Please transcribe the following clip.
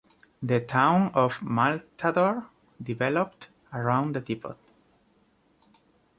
The town of Mantador developed around the depot.